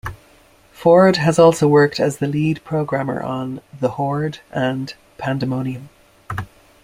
Ford has also worked as the lead programmer on "The Horde" and "Pandemonium".